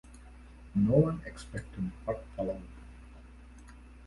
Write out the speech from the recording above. No one expected what followed.